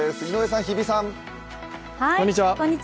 井上さん、日比さん。